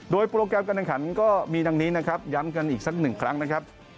โดยโปรแกรมการแข่งขันก็มีดังนี้นะครับย้ำกันอีกสักหนึ่งครั้งนะครับ